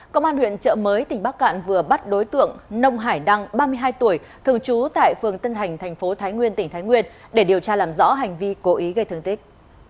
công an huyện trợ mới tỉnh bắc cạn vừa bắt đối tượng nông hải đăng ba mươi hai tuổi thường trú tại phường tân hành thành phố thái nguyên tỉnh thái nguyên để điều tra làm rõ hành vi cố ý gây thương tích